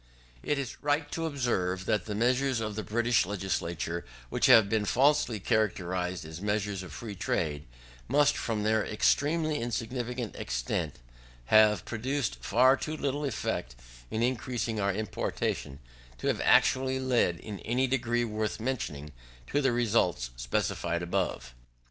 It is right to observe that the measures of the British Legislature which have been falsely characterised as measures of free trade, must, from their extremely insignificant extent, have produced far too little effect in increasing our importation, to have actually led, in any degree worth mentioning, to the results specified above.